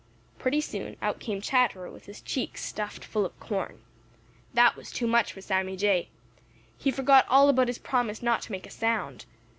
Pretty soon out came Chatterer with his cheeks stuffed full of corn. That was too much for Sammy Jay. He forgot all about his promise not to make a sound.